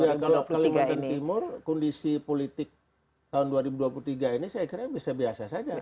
ya kalau kalimantan timur kondisi politik tahun dua ribu dua puluh tiga ini saya kira bisa biasa saja